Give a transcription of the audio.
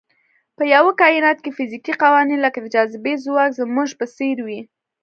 په یوه کاینات کې فزیکي قوانین لکه د جاذبې ځواک زموږ په څېر وي.